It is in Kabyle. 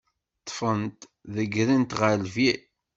Ṭṭfen-t, ḍeggren-t ɣer lbir.